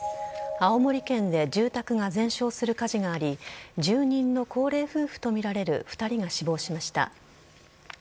青森県で住宅が全焼する火事があり住人の高齢夫婦とみられる２人が死亡しました。